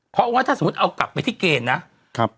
เพราะว่าถ้าสมมุติเอากลับไปที่เกณฑ์นะครับ